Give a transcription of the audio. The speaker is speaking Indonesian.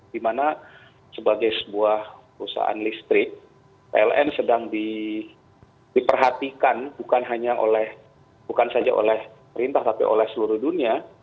dimana sebagai sebuah perusahaan listrik pln sedang diperhatikan bukan hanya bukan saja oleh perintah tapi oleh seluruh dunia